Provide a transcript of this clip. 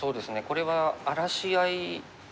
これは荒らし合い。